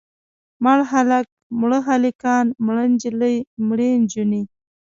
مړ هلک، مړه هلکان، مړه نجلۍ، مړې نجونې.